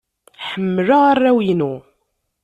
Ḥemmleɣ arraw-inu.